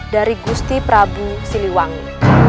dari gusti prabu siliwangi